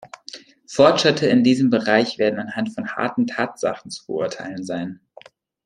Fortschritte in diesem Bereich werden anhand von harten Tatsachen zu beurteilen sein.